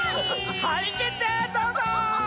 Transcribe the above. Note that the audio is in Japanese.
はりきってどうぞ！